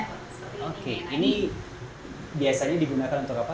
oke ini biasanya digunakan untuk apa